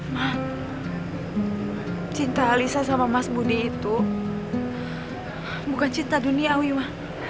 ma cinta alisa sama mas budi itu bukan cinta duniawi mah